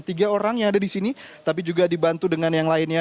tiga orang yang ada di sini tapi juga dibantu dengan yang lainnya